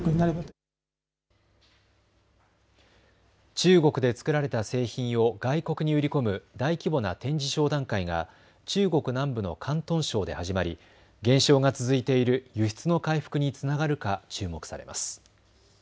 中国で作られた製品を外国に売り込む大規模な展示商談会が中国南部の広東省で始まり減少が続いている輸出の回復につながるか注目されます。